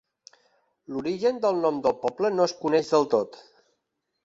L'origen del nom del poble no es coneix del tot.